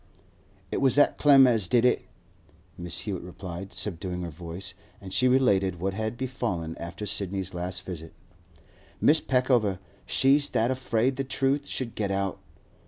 'It was that Clem as did it,' Mrs. Hewett replied, subduing her voice, And she related what had befallen after Sidney's last visit. 'Mrs. Peckover, she's that afraid the truth should get out.